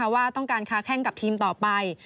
ว่าต้องการค้าแข้งกับทีมต่อไป